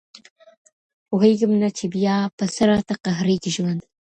پوهېږم نه چي بيا په څه راته قهريږي ژوند~